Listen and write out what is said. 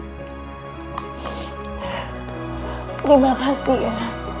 terima kasih ya